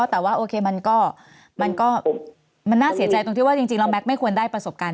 แต่ว่าโอเคมันก็มันน่าเสียใจตรงที่ว่าจริงแล้วแก๊กไม่ควรได้ประสบการณ์